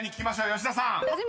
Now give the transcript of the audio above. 吉田さん］